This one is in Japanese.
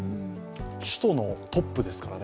首都のトップですからね。